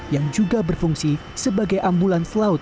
yang juga berfungsi sebagai ambulans laut